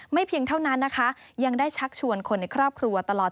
เพียงเท่านั้นนะคะยังได้ชักชวนคนในครอบครัวตลอด